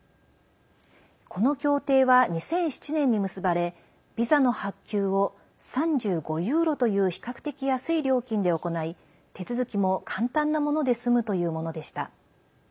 この協定は２００７年に結ばれビザの発給を３５ユーロという比較的安い料金で行い手続きも簡単なもので済むというものでした。